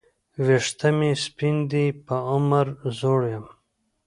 وېښته مي سپین دي په عمر زوړ یم